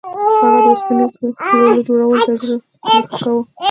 هغه د اوسپنیزو لولو جوړولو ته هم زړه نه ښه کاوه